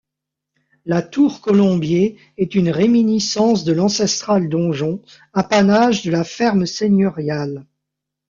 La tour-colombier est une réminiscence de l'ancestral donjon, apanage de la ferme seigneuriale.